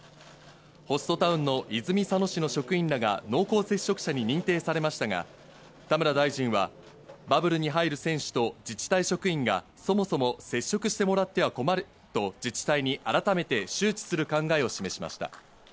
ホストタウンの泉佐野市の職員らが濃厚接触者に認定されましたが、田村大臣はバブルに入る選手と自治体職員がそもそも接触してもらっては困ると自治体に改めて周知する考えを示しました。